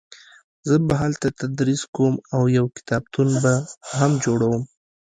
زه به هلته تدریس کوم او یو کتابتون به هم جوړوم